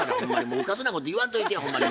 うかつなこと言わんといてやほんまに。